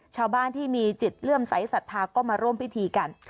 ชาวบ้านที่มีจิตเลื่อมใสสัทธาก็มาร่วมพิธีกัน